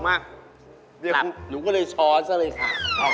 เมียหนูก็เล่าให้กันด้วยเพราะเมียเมามาก